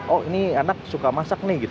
oh ini anak suka masak nih gitu